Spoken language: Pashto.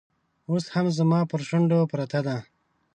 اوس هم زما پر شونډو پرته ده